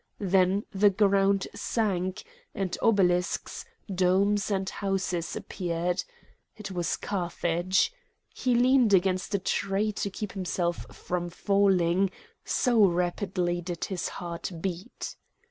Then the ground sank, and obelisks, domes, and houses appeared! It was Carthage. He leaned against a tree to keep himself from falling, so rapidly did his heart beat.